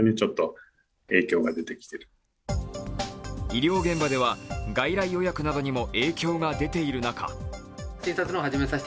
医療現場では外来予約などにも影響が出ている中